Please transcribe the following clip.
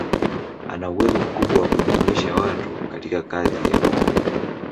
Ana uwezo mkubwa wa kujumuisha watu katika kazi ya pamoja.